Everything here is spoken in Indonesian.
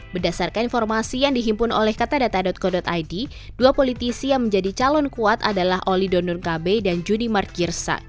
berdasarkan informasi yang dihimpun oleh kata data co id dua politisi yang menjadi calon kuat adalah oli dondonkabe dan juni margirsa